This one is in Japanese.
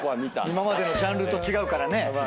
今までのジャンルと違うからね。